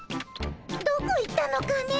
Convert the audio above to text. どこ行ったのかね。